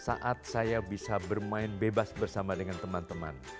saat saya bisa bermain bebas bersama dengan teman teman